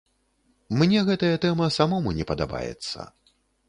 Мне гэтая тэма самому не падабаецца.